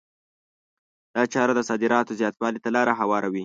دا چاره د صادراتو زیاتوالي ته لار هواروي.